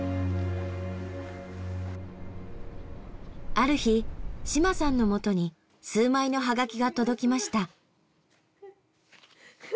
ある日島さんの元に数枚のはがきが届きました。